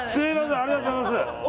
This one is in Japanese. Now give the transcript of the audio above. ありがとうございます。